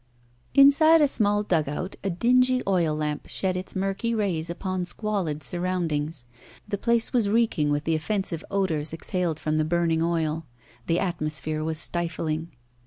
Inside a small dugout a dingy oil lamp shed its murky rays upon squalid surroundings. The place was reeking with the offensive odours exhaled from the burning oil. The atmosphere was stifling.